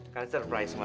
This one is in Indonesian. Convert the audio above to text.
kan surprise mam